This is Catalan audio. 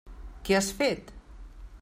Què has fet?